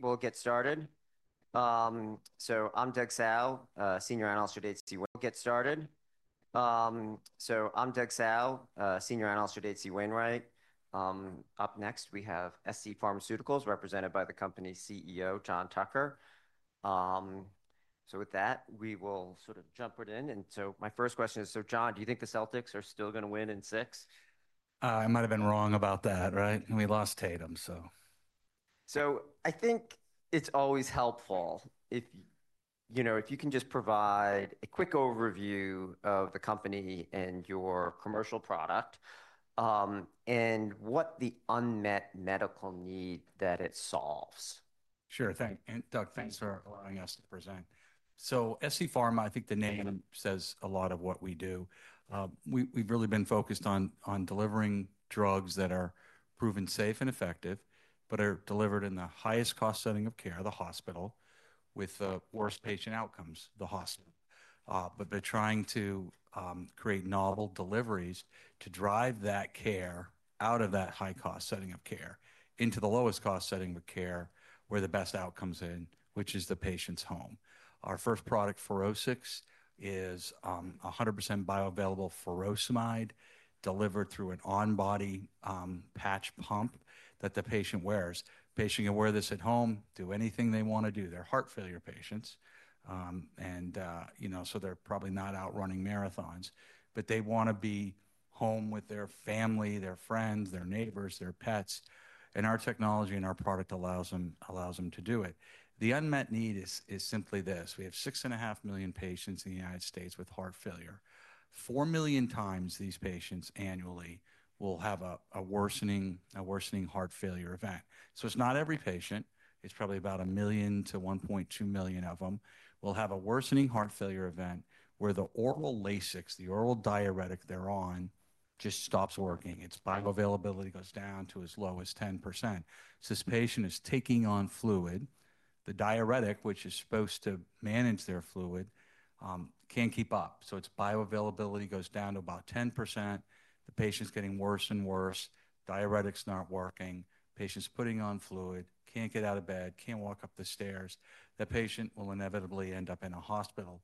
We'll get started. I'm Doug Sow, Senior Analyst for DHC Wayne. Up next, we have scPharmaceuticals, represented by the company's CEO, John Tucker. With that, we will sort of jump right in. My first question is, John, do you think the Celtics are still going to win in six? I might have been wrong about that, right? We lost Tatum, so. I think it's always helpful if you can just provide a quick overview of the company and your commercial product and what the unmet medical need that it solves. Sure. Thanks. And Doug, thanks for allowing us to present. So scPharmaceuticals, I think the name says a lot of what we do. We've really been focused on delivering drugs that are proven safe and effective, but are delivered in the highest cost setting of care, the hospital, with the worst patient outcomes, the hospital. But they're trying to create novel deliveries to drive that care out of that high-cost setting of care into the lowest-cost setting of care where the best outcome's in, which is the patient's home. Our first product, FUROSCIX, is 100% bioavailable furosemide delivered through an on-body patch pump that the patient wears. The patient can wear this at home, do anything they want to do. They're heart failure patients, and so they're probably not out running marathons, but they want to be home with their family, their friends, their neighbors, their pets. Our technology and our product allows them to do it. The unmet need is simply this: we have 6.5 million patients in the United States with heart failure. Four million times these patients annually will have a worsening heart failure event. It's not every patient. It's probably about 1 million to 1.2 million of them will have a worsening heart failure event where the oral Lasix, the oral diuretic they're on, just stops working. Its bioavailability goes down to as low as 10%. This patient is taking on fluid. The diuretic, which is supposed to manage their fluid, can't keep up. Its bioavailability goes down to about 10%. The patient's getting worse and worse. Diuretic's not working. Patient's putting on fluid, can't get out of bed, can't walk up the stairs. That patient will inevitably end up in a hospital.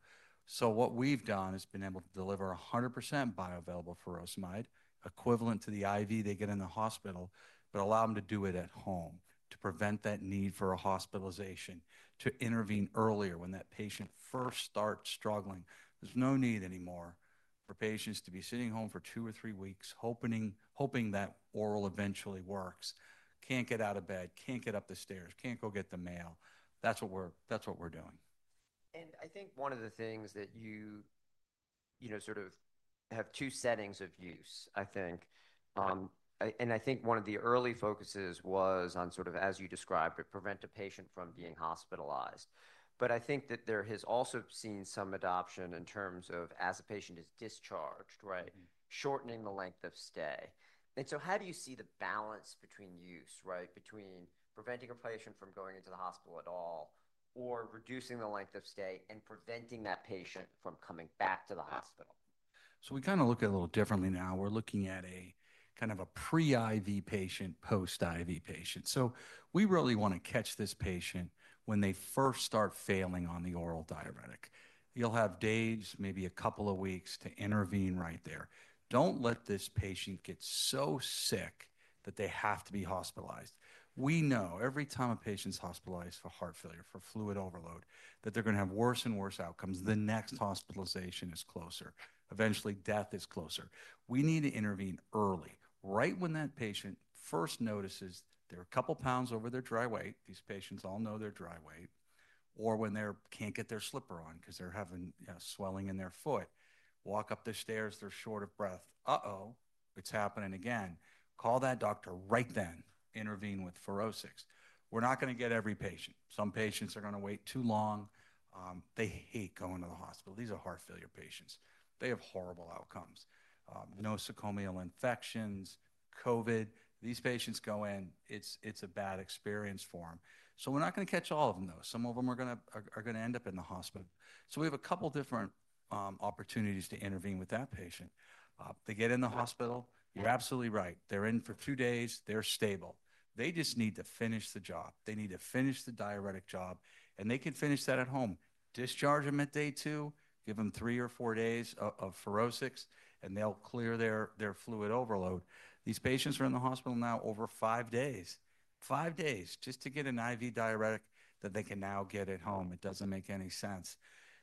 What we've done is been able to deliver 100% bioavailable furosemide, equivalent to the IV they get in the hospital, but allow them to do it at home to prevent that need for a hospitalization, to intervene earlier when that patient first starts struggling. There's no need anymore for patients to be sitting home for two or three weeks hoping that oral eventually works. Can't get out of bed, can't get up the stairs, can't go get the mail. That's what we're doing. I think one of the things that you sort of have two settings of use, I think. I think one of the early focuses was on sort of, as you described, to prevent a patient from being hospitalized. I think that there has also seen some adoption in terms of, as a patient is discharged, right, shortening the length of stay. How do you see the balance between use, right, between preventing a patient from going into the hospital at all or reducing the length of stay and preventing that patient from coming back to the hospital? We kind of look at it a little differently now. We're looking at a kind of a pre-IV patient, post-IV patient. We really want to catch this patient when they first start failing on the oral diuretic. You'll have days, maybe a couple of weeks, to intervene right there. Don't let this patient get so sick that they have to be hospitalized. We know every time a patient's hospitalized for heart failure, for fluid overload, that they're going to have worse and worse outcomes. The next hospitalization is closer. Eventually, death is closer. We need to intervene early, right when that patient first notices they're a couple pounds over their dry weight. These patients all know their dry weight. Or when they can't get their slipper on because they're having swelling in their foot, walk up the stairs, they're short of breath. Uh-oh, it's happening again. Call that doctor right then. Intervene with FUROSCIX. We're not going to get every patient. Some patients are going to wait too long. They hate going to the hospital. These are heart failure patients. They have horrible outcomes. No sequelae of infections, COVID. These patients go in. It's a bad experience for them. We're not going to catch all of them, though. Some of them are going to end up in the hospital. We have a couple of different opportunities to intervene with that patient. They get in the hospital. You're absolutely right. They're in for two days. They're stable. They just need to finish the job. They need to finish the diuretic job. They can finish that at home. Discharge them at day two, give them three or four days of FUROSCIX, and they'll clear their fluid overload. These patients are in the hospital now over five days. Five days just to get an IV diuretic that they can now get at home. It doesn't make any sense.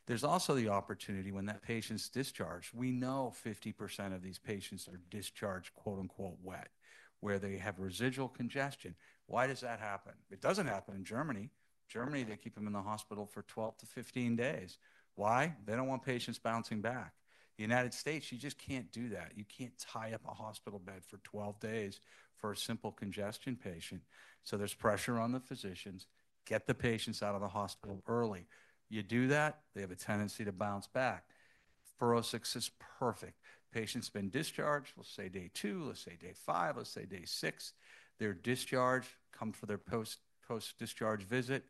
There's also the opportunity when that patient's discharged. We know 50% of these patients are discharged "wet," where they have residual congestion. Why does that happen? It doesn't happen in Germany. Germany, they keep them in the hospital for 12-15 days. Why? They don't want patients bouncing back. The United States, you just can't do that. You can't tie up a hospital bed for 12 days for a simple congestion patient. There is pressure on the physicians. Get the patients out of the hospital early. You do that, they have a tendency to bounce back. FUROSCIX is perfect. Patients have been discharged. Let's say day two. Let's say day five. Let's say day six. They're discharged, come for their post-discharge visit,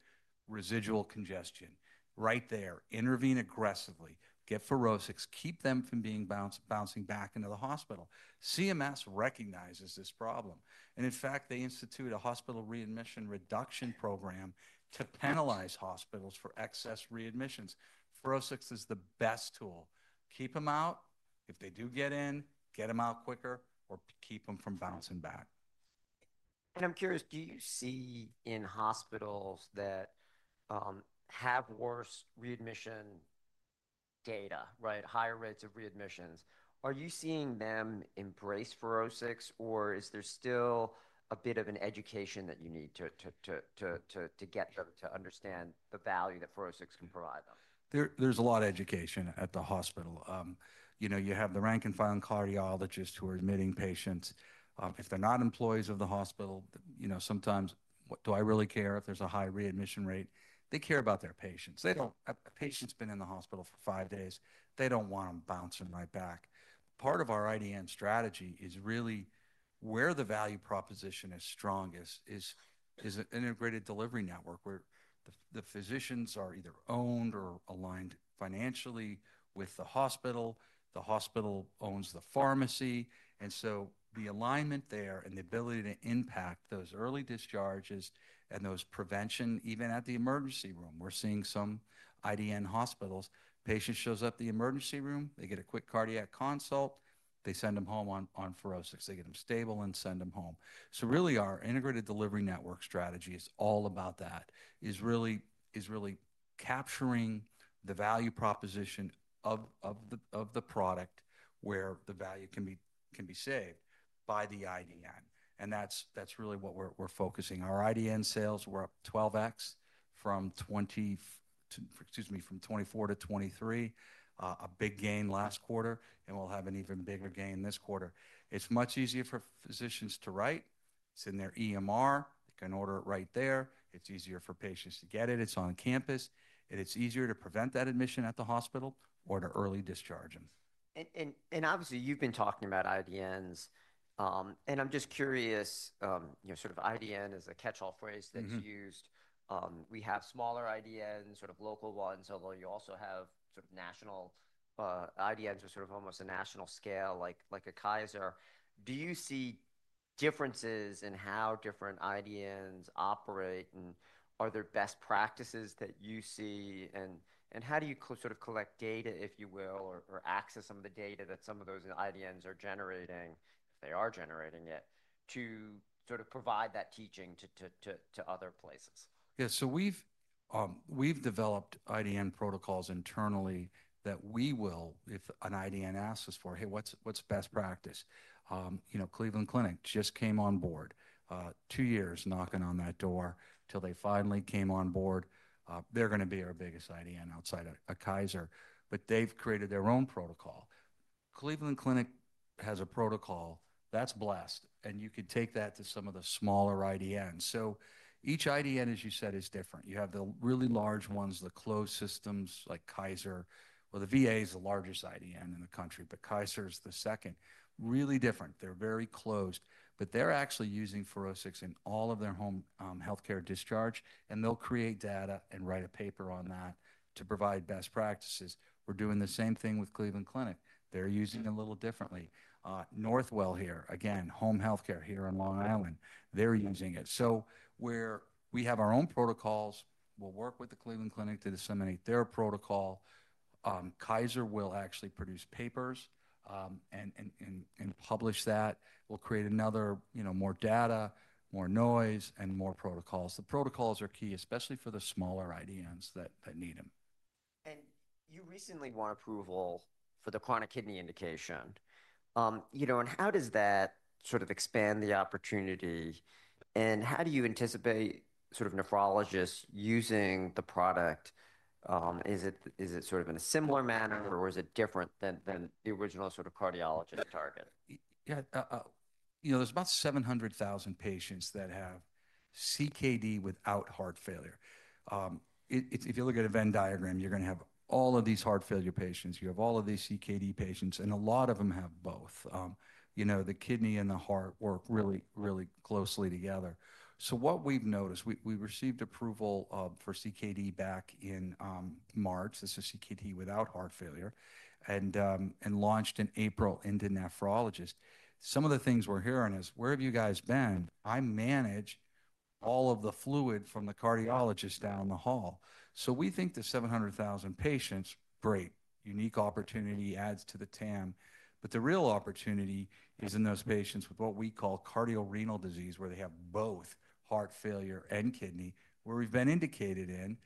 residual congestion. Right there, intervene aggressively. Get FUROSCIX. Keep them from bouncing back into the hospital. CMS recognizes this problem. In fact, they institute a hospital readmission reduction program to penalize hospitals for excess readmissions. FUROSCIX is the best tool. Keep them out. If they do get in, get them out quicker or keep them from bouncing back. I'm curious, do you see in hospitals that have worse readmission data, right, higher rates of readmissions, are you seeing them embrace FUROSCIX, or is there still a bit of an education that you need to get them to understand the value that FUROSCIX can provide them? There's a lot of education at the hospital. You have the rank-and-file cardiologists who are admitting patients. If they're not employees of the hospital, sometimes, "Do I really care if there's a high readmission rate?" They care about their patients. A patient's been in the hospital for five days. They don't want them bouncing right back. Part of our IDN strategy is really where the value proposition is strongest is an integrated delivery network where the physicians are either owned or aligned financially with the hospital. The hospital owns the pharmacy. The alignment there and the ability to impact those early discharges and those prevention, even at the emergency room. We're seeing some IDN hospitals. Patient shows up at the emergency room. They get a quick cardiac consult. They send them home on FUROSCIX. They get them stable and send them home. Really, our integrated delivery network strategy is all about that, is really capturing the value proposition of the product where the value can be saved by the IDN. That is really what we are focusing. Our IDN sales, we are up 12x from 2024 to 2023, a big gain last quarter, and we will have an even bigger gain this quarter. It is much easier for physicians to write. It is in their EMR. They can order it right there. It is easier for patients to get it. It is on campus. It is easier to prevent that admission at the hospital or to early discharge them. Obviously, you've been talking about IDNs. I'm just curious, sort of IDN is a catch-all phrase that's used. We have smaller IDNs, sort of local ones, although you also have sort of national IDNs or almost a national scale like a Kaiser. Do you see differences in how different IDNs operate, and are there best practices that you see, and how do you collect data, if you will, or access some of the data that some of those IDNs are generating, if they are generating it, to provide that teaching to other places? Yeah. So we've developed IDN protocols internally that we will, if an IDN asks us for, "Hey, what's best practice?" Cleveland Clinic just came on board. Two years knocking on that door till they finally came on board. They're going to be our biggest IDN outside of Kaiser. They've created their own protocol. Cleveland Clinic has a protocol that's blessed, and you can take that to some of the smaller IDNs. Each IDN, as you said, is different. You have the really large ones, the closed systems like Kaiser. The VA is the largest IDN in the country, but Kaiser is the second. Really different. They're very closed. They're actually using FUROSCIX in all of their home healthcare discharge, and they'll create data and write a paper on that to provide best practices. We're doing the same thing with Cleveland Clinic. They're using it a little differently. Northwell here, again, home healthcare here in Long Island. They're using it. So we have our own protocols. We'll work with the Cleveland Clinic to disseminate their protocol. Kaiser will actually produce papers and publish that. We'll create another, more data, more noise, and more protocols. The protocols are key, especially for the smaller IDNs that need them. You recently won approval for the chronic kidney indication. How does that sort of expand the opportunity? How do you anticipate sort of nephrologists using the product? Is it sort of in a similar manner, or is it different than the original sort of cardiologist target? Yeah. There's about 700,000 patients that have CKD without heart failure. If you look at a Venn diagram, you're going to have all of these heart failure patients. You have all of these CKD patients, and a lot of them have both. The kidney and the heart work really, really closely together. What we've noticed, we received approval for CKD back in March. This is CKD without heart failure and launched in April into nephrologists. Some of the things we're hearing is, "Where have you guys been? I manage all of the fluid from the cardiologist down the hall." We think the 700,000 patients, great, unique opportunity, adds to the TAM. The real opportunity is in those patients with what we call cardiorenal disease, where they have both heart failure and kidney, where we've been indicated in,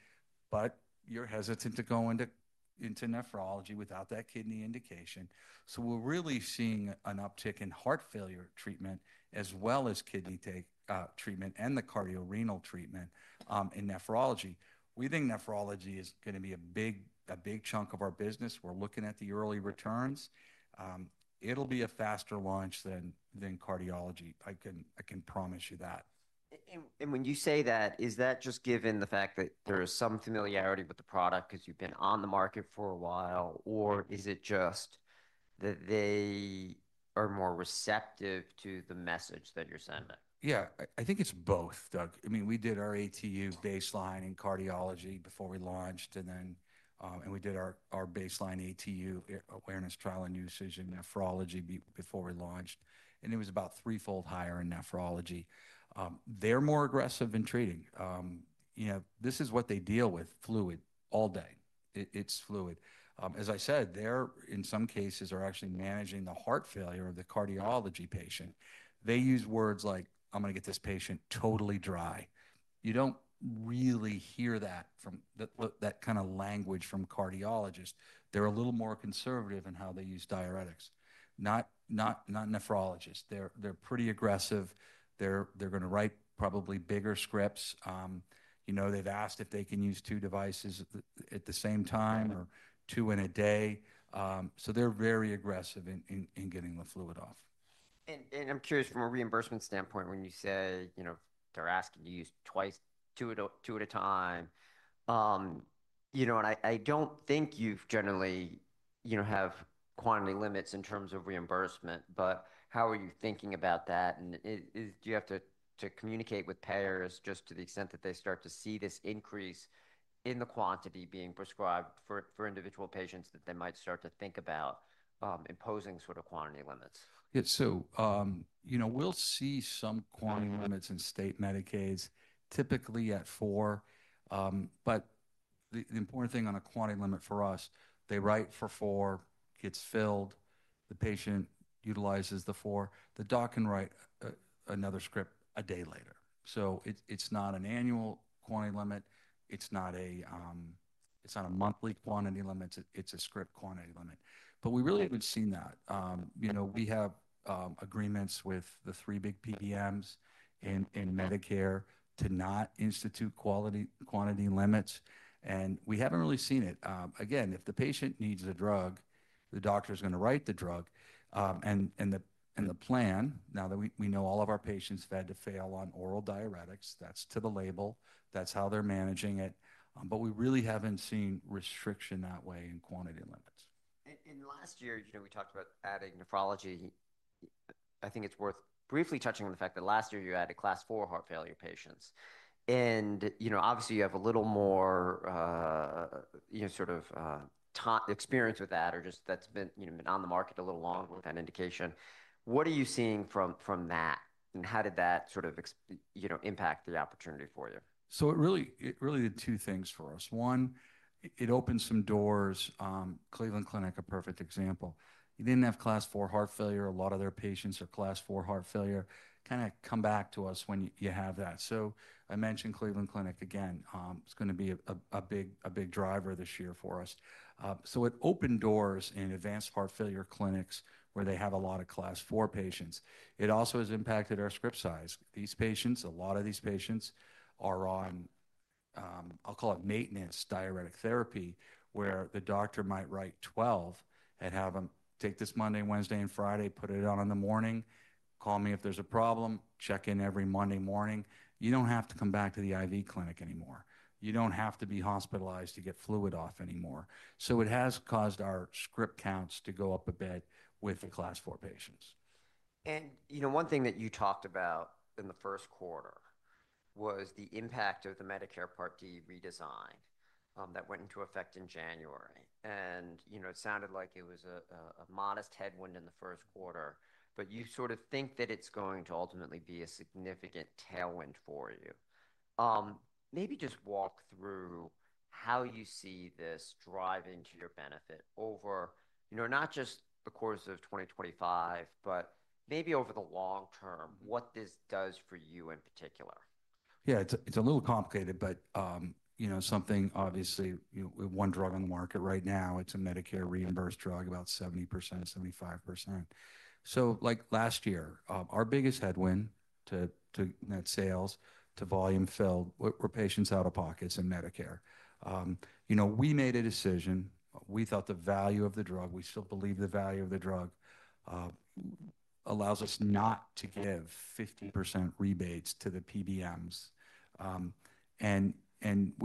but you're hesitant to go into nephrology without that kidney indication. So we're really seeing an uptick in heart failure treatment as well as kidney treatment and the cardiorenal treatment in nephrology. We think nephrology is going to be a big chunk of our business. We're looking at the early returns. It'll be a faster launch than cardiology. I can promise you that. When you say that, is that just given the fact that there is some familiarity with the product because you've been on the market for a while, or is it just that they are more receptive to the message that you're sending? Yeah. I think it's both, Doug. I mean, we did our ATU baseline in cardiology before we launched, and we did our baseline ATU awareness trial and usage in nephrology before we launched. It was about threefold higher in nephrology. They're more aggressive in treating. This is what they deal with, fluid all day. It's fluid. As I said, they, in some cases, are actually managing the heart failure of the cardiology patient. They use words like, "I'm going to get this patient totally dry." You don't really hear that kind of language from cardiologists. They're a little more conservative in how they use diuretics, not nephrologists. They're pretty aggressive. They're going to write probably bigger scripts. They've asked if they can use two devices at the same time or two in a day. They're very aggressive in getting the fluid off. I'm curious, from a reimbursement standpoint, when you say they're asking you to use two at a time, and I don't think you generally have quantity limits in terms of reimbursement. How are you thinking about that? Do you have to communicate with payers just to the extent that they start to see this increase in the quantity being prescribed for individual patients that they might start to think about imposing sort of quantity limits? Yeah. We'll see some quantity limits in state Medicaids, typically at four. The important thing on a quantity limit for us, they write for four, gets filled, the patient utilizes the four. The doc can write another script a day later. It is not an annual quantity limit. It is not a monthly quantity limit. It is a script quantity limit. We really have not seen that. We have agreements with the three big PBMs in Medicare to not institute quantity limits. We have not really seen it. Again, if the patient needs a drug, the doctor's going to write the drug. The plan, now that we know all of our patients have had to fail on oral diuretics, that is to the label. That is how they are managing it. We really have not seen restriction that way in quantity limits. Last year, we talked about adding nephrology. I think it's worth briefly touching on the fact that last year you added class IV heart failure patients. Obviously, you have a little more sort of experience with that or just that's been on the market a little longer with that indication. What are you seeing from that, and how did that sort of impact the opportunity for you? It really did two things for us. One, it opened some doors. Cleveland Clinic, a perfect example. You did not have class four heart failure. A lot of their patients are class four heart failure. Kind of come back to us when you have that. I mentioned Cleveland Clinic again. It is going to be a big driver this year for us. It opened doors in advanced heart failure clinics where they have a lot of class four patients. It also has impacted our script size. These patients, a lot of these patients, are on, I will call it maintenance diuretic therapy, where the doctor might write 12 and have them take this Monday, Wednesday, and Friday, put it on in the morning, call me if there is a problem, check in every Monday morning. You do not have to come back to the IV clinic anymore. You don't have to be hospitalized to get fluid off anymore. It has caused our script counts to go up a bit with the class IV patients. One thing that you talked about in the first quarter was the impact of the Medicare Part D redesign that went into effect in January. It sounded like it was a modest headwind in the first quarter, but you sort of think that it's going to ultimately be a significant tailwind for you. Maybe just walk through how you see this driving to your benefit over not just the course of 2025, but maybe over the long term, what this does for you in particular. Yeah. It's a little complicated, but something obviously, one drug on the market right now, it's a Medicare reimbursed drug, about 70%-75%. Like last year, our biggest headwind to net sales, to volume filled, were patients out of pockets in Medicare. We made a decision. We thought the value of the drug, we still believe the value of the drug, allows us not to give 50% rebates to the PBMs. We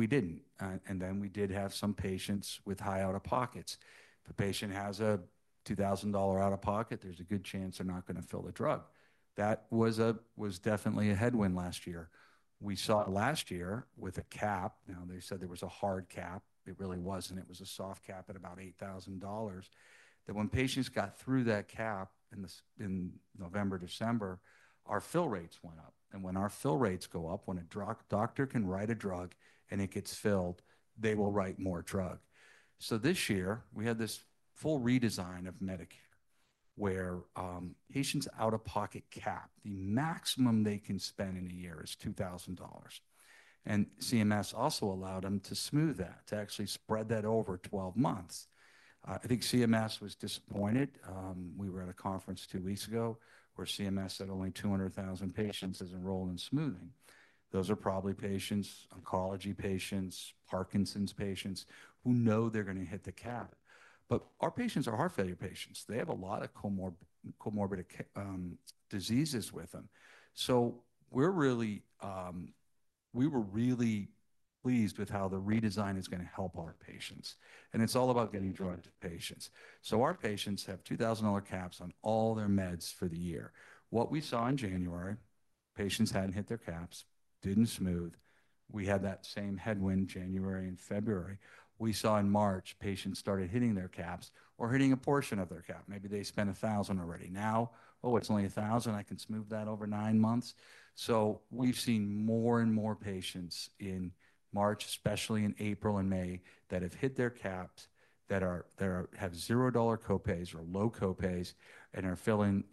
didn't. We did have some patients with high out-of-pockets. If a patient has a $2,000 out-of-pocket, there's a good chance they're not going to fill the drug. That was definitely a headwind last year. We saw last year with a cap. Now, they said there was a hard cap. It really wasn't. It was a soft cap at about $8,000. That when patients got through that cap in November, December, our fill rates went up. When our fill rates go up, when a doctor can write a drug and it gets filled, they will write more drug. This year, we had this full redesign of Medicare where patients' out-of-pocket cap, the maximum they can spend in a year, is $2,000. CMS also allowed them to smooth that, to actually spread that over 12 months. I think CMS was disappointed. We were at a conference two weeks ago where CMS said only 200,000 patients enrolled in smoothing. Those are probably patients, oncology patients, Parkinson's patients who know they're going to hit the cap. Our patients are heart failure patients. They have a lot of comorbid diseases with them. We were really pleased with how the redesign is going to help our patients. It is all about getting drugs to patients. Our patients have $2,000 caps on all their meds for the year. What we saw in January, patients had not hit their caps, did not smooth. We had that same headwind January and February. We saw in March, patients started hitting their caps or hitting a portion of their cap. Maybe they spent $1,000 already. Now, oh, it is only $1,000. I can smooth that over nine months. We have seen more and more patients in March, especially in April and May, that have hit their caps, that have $0 copays or low copays, and are filling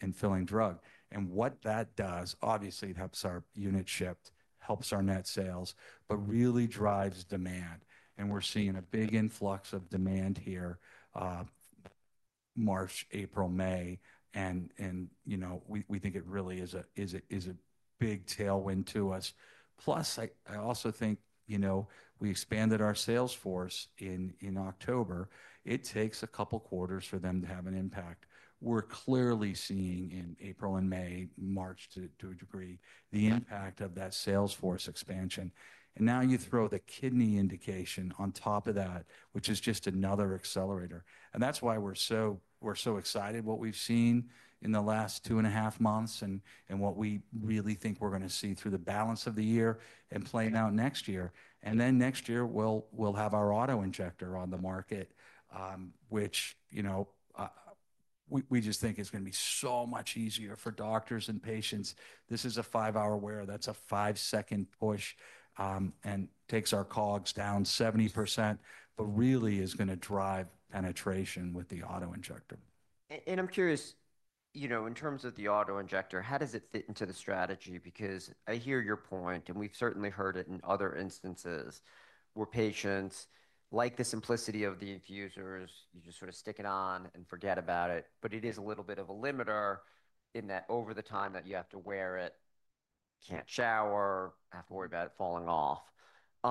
drug. What that does, obviously, it helps our unit shipped, helps our net sales, but really drives demand. We are seeing a big influx of demand here, March, April, May. We think it really is a big tailwind to us. Plus, I also think we expanded our sales force in October. It takes a couple of quarters for them to have an impact. We're clearly seeing in April and May, March to a degree, the impact of that sales force expansion. You throw the kidney indication on top of that, which is just another accelerator. That is why we're so excited about what we've seen in the last two and a half months and what we really think we're going to see through the balance of the year and playing out next year. Next year, we'll have our auto-injector on the market, which we just think is going to be so much easier for doctors and patients. This is a five-hour wear. That's a five-second push and takes our cogs down 70%, but really is going to drive penetration with the auto-injector. I'm curious, in terms of the auto-injector, how does it fit into the strategy? I hear your point, and we've certainly heard it in other instances where patients like the simplicity of the infusers, you just sort of stick it on and forget about it. It is a little bit of a limiter in that over the time that you have to wear it, you can't shower, have to worry about it falling off.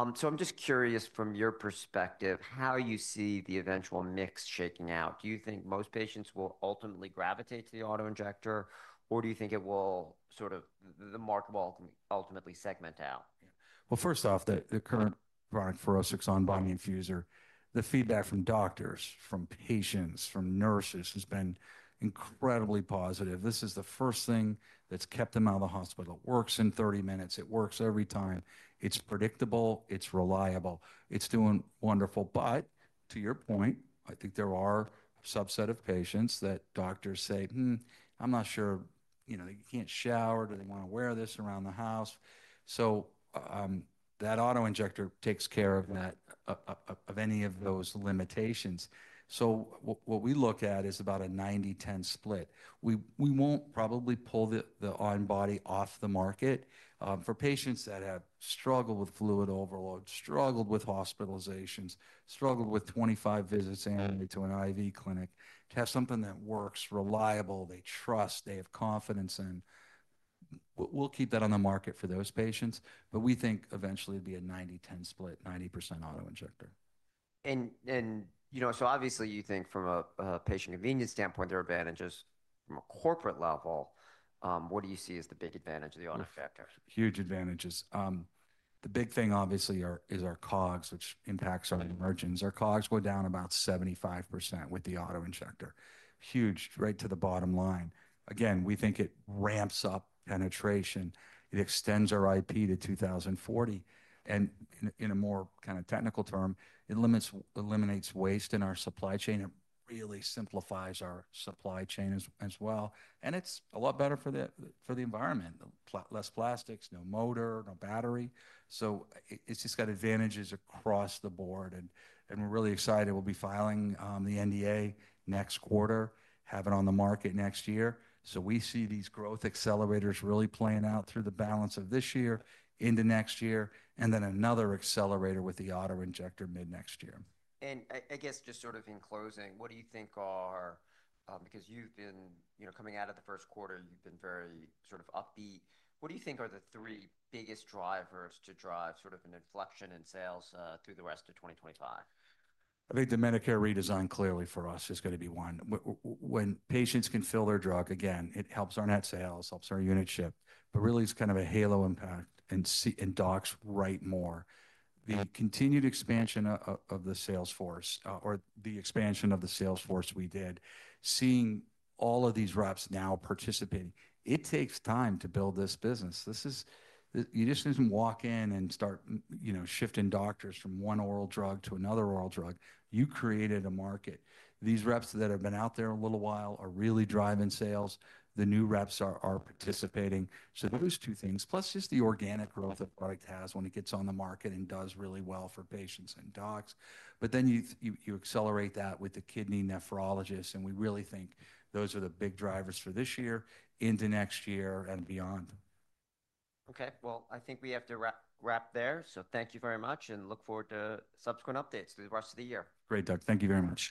I'm just curious from your perspective how you see the eventual mix shaking out. Do you think most patients will ultimately gravitate to the auto-injector, or do you think the market will ultimately segment out? First off, the current product, FUROSCIX on-body infuser, the feedback from doctors, from patients, from nurses has been incredibly positive. This is the first thing that's kept them out of the hospital. It works in 30 minutes. It works every time. It's predictable. It's reliable. It's doing wonderful. To your point, I think there are a subset of patients that doctors say, "I'm not sure. They can't shower. Do they want to wear this around the house?" That auto-injector takes care of any of those limitations. What we look at is about a 90/10 split. We won't probably pull the on-body off the market for patients that have struggled with fluid overload, struggled with hospitalizations, struggled with 25 visits annually to an IV clinic, to have something that works, reliable, they trust, they have confidence in. We'll keep that on the market for those patients. We think eventually it'd be a 90/10 split, 90% auto-injector. Obviously, you think from a patient convenience standpoint, there are advantages. From a corporate level, what do you see as the big advantage of the auto-injector? Huge advantages. The big thing, obviously, is our COGS, which impacts our emergence. Our COGS go down about 75% with the auto-injector. Huge right to the bottom line. Again, we think it ramps up penetration. It extends our IP to 2040. In a more kind of technical term, it eliminates waste in our supply chain and really simplifies our supply chain as well. It is a lot better for the environment. Less plastics, no motor, no battery. It has just got advantages across the board. We are really excited. We will be filing the NDA next quarter, have it on the market next year. We see these growth accelerators really playing out through the balance of this year into next year, and then another accelerator with the auto-injector mid-next year. I guess just sort of in closing, what do you think are, because you've been coming out of the first quarter, you've been very sort of upbeat. What do you think are the three biggest drivers to drive sort of an inflection in sales through the rest of 2025? I think the Medicare redesign clearly for us is going to be one. When patients can fill their drug, again, it helps our net sales, helps our unit ship, but really it's kind of a halo impact and docs write more. The continued expansion of the sales force or the expansion of the sales force we did, seeing all of these reps now participating, it takes time to build this business. You just did not walk in and start shifting doctors from one oral drug to another oral drug. You created a market. These reps that have been out there a little while are really driving sales. The new reps are participating. Those two things, plus just the organic growth the product has when it gets on the market and does really well for patients and docs. You accelerate that with the kidney nephrologists. We really think those are the big drivers for this year, into next year, and beyond. Okay. I think we have to wrap there. Thank you very much and look forward to subsequent updates through the rest of the year. Great, Doug. Thank you very much.